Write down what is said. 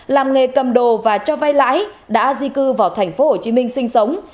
làm nghề cầm đồ và cho vay lãi đã di cư vào thành phố hồ chí minh sinh sống